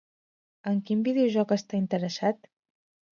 En quin videojoc està interessat?